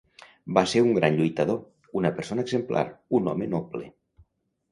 Va ser un gran lluitador, una persona exemplar, un home noble.